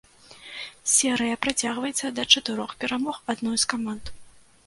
Серыя працягваецца да чатырох перамог адной з каманд.